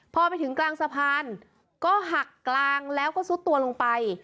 พอไปถึงกลางสะพานก็หักกลางแล้วก็ซุดตัวลงไป